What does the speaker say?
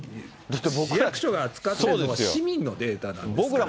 市役所が扱ってるのは、市民のデータなんですから。